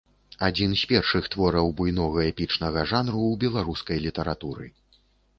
Адзін з першых твораў буйнога эпічнага жанру ў беларускай літаратуры.